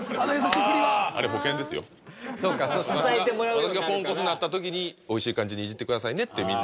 私がポンコツになった時においしい感じにイジってくださいねってみんな。